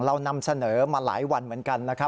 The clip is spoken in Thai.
เรานำเสนอมาหลายวันเหมือนกันนะครับ